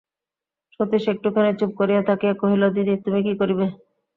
সতীশ একটুখানি চুপ করিয়া থাকিয়া কহিল, দিদি, তুমি কী করবে?